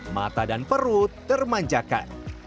mata dan perut termanjakan